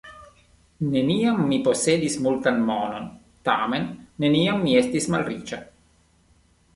Neniam mi posedis multan monon, tamen neniam mi estis malriĉa.